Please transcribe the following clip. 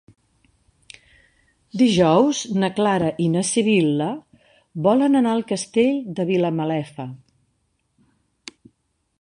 Dijous na Clara i na Sibil·la volen anar al Castell de Vilamalefa.